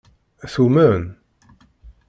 Tumen?